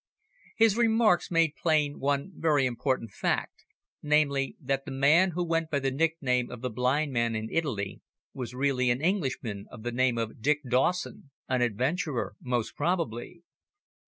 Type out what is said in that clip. His remarks made plain one very important fact, namely, that the man who went by the nickname of the "blind man" in Italy was really an Englishman of the name of Dick Dawson an adventurer most probably.